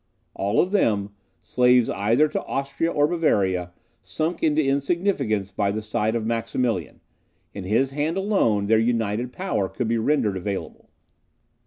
All of them, slaves either to Austria or Bavaria, sunk into insignificance by the side of Maximilian; in his hand alone their united power could be rendered available.